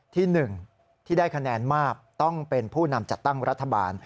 ที่๑ที่ได้คะแนนมากต้องเป็นผู้นำจัดตั้งรัฐบาล